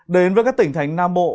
đến với các tỉnh thành nam bộ